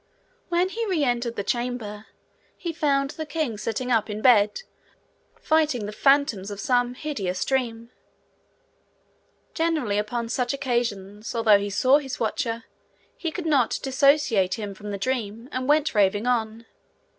When he re entered the chamber, he found the king sitting up in bed, fighting the phantoms of some hideous dream. Generally upon such occasions, although he saw his watcher, he could not dissociate him from the dream, and went raving on.